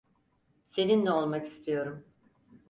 Seninle olmak istiyorum.